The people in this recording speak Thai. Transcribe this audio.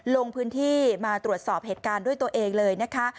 ลงพื้นที่มาตรวจสอบเหตุการณ์ด้วยตัวเองเลยนะคะ